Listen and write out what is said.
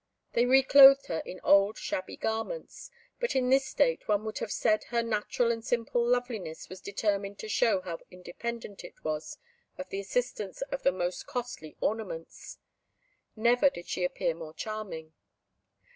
They re clothed her in old shabby garments. But in this state, one would have said her natural and simple loveliness was determined to show how independent it was of the assistance of the most costly ornaments; never did she appear more charming!